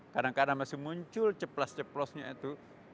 kadang kadang masih muncul ceplas ceplosnya itu